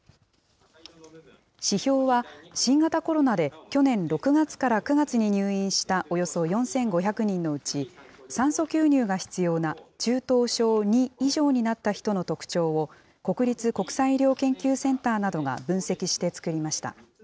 指標は、新型コロナで去年６月から９月に入院したおよそ４５００人のうち、酸素吸入が必要な中等症２以上になった人の特徴を、国立国際医療研究センターなどが分析して作りました。